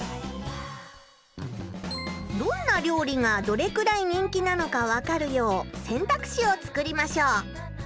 どんな料理がどれくらい人気なのか分かるよう選択肢を作りましょう。